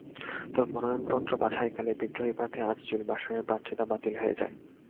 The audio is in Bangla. তবে মনোনয়নপত্র বাছাইকালে বিদ্রোহী প্রার্থী আজিজুল বাসারের প্রার্থিতা বাতিল হয়ে যায়।